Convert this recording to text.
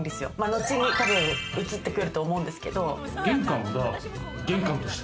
後に多分映ってくると思うんですけど。